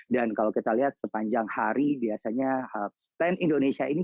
dan kalau kita lihat sepanjang hari biasanya stand indonesia ini